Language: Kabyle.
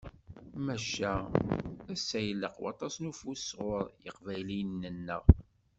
Maca, ass-a ilaq waṭas n ufus sɣur yiqbayliyen-nneɣ.